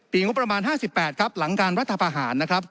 ปีงบประมาณ๕๘ครับหลังการวัฒนภาษาอาหารนะครับ